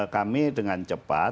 kami dengan cepat